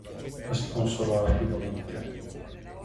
Ma si consolò rapidamente.